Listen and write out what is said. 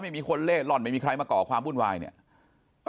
ไม่มีคนเล่ร่อนไม่มีใครมาก่อความวุ่นวายเนี่ย